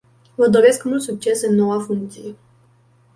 Vă doresc mult succes în noua funcție!